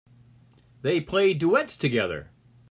They play duets together.